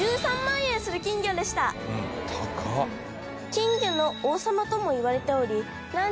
金魚の王様ともいわれておりらん